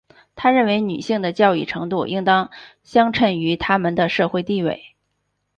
她认为女性的教育程度应当相称于她们的社会地位。